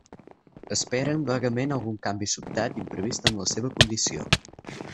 Esperen vagament algun canvi sobtat i imprevist en la seva condició.